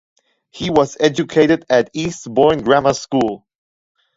He was educated at Eastbourne Grammar School.